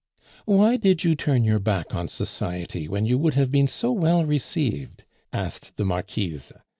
"Why did you turn your back on society when you would have been so well received?" asked the Marquise.